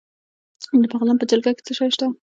د بغلان په جلګه کې څه شی شته؟